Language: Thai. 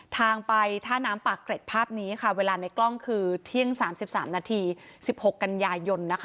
ทางไปท่าน้ำปากเกร็ดภาพนี้ค่ะเวลาในกล้องคือเที่ยง๓๓นาที๑๖กันยายน